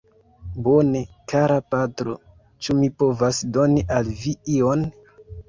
Bone, kara patro; ĉu mi povas doni al vi ion?